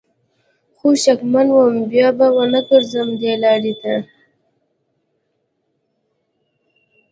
خو شکمن وم بیا به ونه ګرځم دې لار ته